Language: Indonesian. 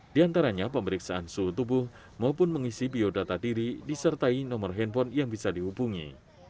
di antaranya pemeriksaan suhu tubuh maupun mengisi biodata diri disertai nomor handphone yang bisa dihubungi